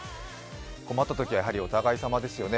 困ったときはやはりお互い様ですよね。